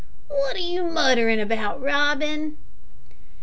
"What are you muttering about, Robin?"